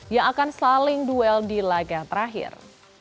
yang akan saling duel di laga terakhir